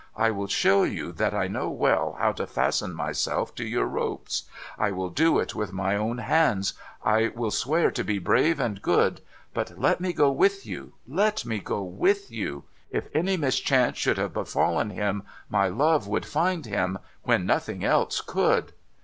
I will show you that I know well how to fasten myself to your ropes. I will do it with my own hands. I will swear to be brave and good. But let me go with you, let me go with you ! If nny mischance should have befallen him, my love would find him, when nothing else could.